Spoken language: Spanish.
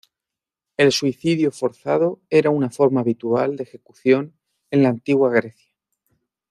El suicido forzado era una forma habitual de ejecución en la antigua Grecia.